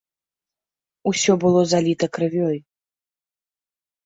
Усё было заліта крывёй.